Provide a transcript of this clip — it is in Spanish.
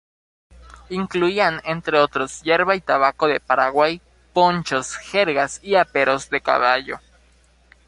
Incluían, entre otros: yerba y tabaco de Paraguay, ponchos, jergas y aperos de caballo.